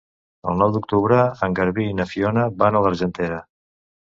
El nou d'octubre en Garbí i na Fiona van a l'Argentera.